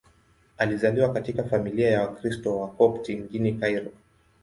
Alizaliwa katika familia ya Wakristo Wakopti mjini Kairo.